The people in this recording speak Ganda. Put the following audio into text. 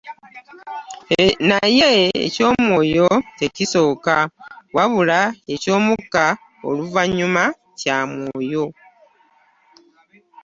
Naye eky'omwoyo tekisooka, wabula eky'omukka; oluvannyuma kya mwoyo.